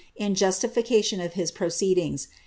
in justification of his proceedings.